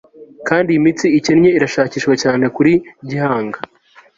kandi iyi mitsi ikennye irashakishwa cyane kuri gihanga